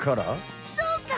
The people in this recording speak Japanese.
そうか！